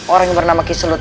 orang yang bernama kiselut